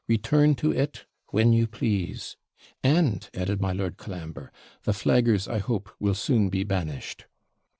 Return to it when you please.' 'And,' added my Lord Colambre, 'the flaggers, I hope, will be soon banished.'